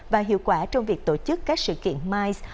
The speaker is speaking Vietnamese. và hiệu quả trong việc tổ chức các sự kiện mice